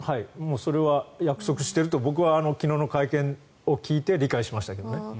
それは約束していると僕は昨日の会見を聞いて理解しましたけどね。